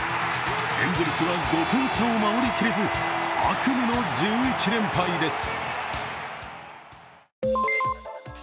エンゼルスは５点差を守りきれず、悪夢の１１連敗です。